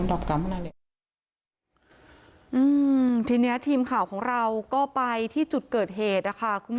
โดยไม่น่าทำเขาถึงมาด้านล่าง